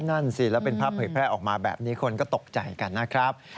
นั่นสิแล้วเป็นภาพเผยแพร่ออกมาแบบนี้คนก็ตกใจกันนะครับ